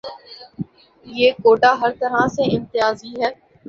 یہ کوٹہ ہرطرح سے امتیازی ہے۔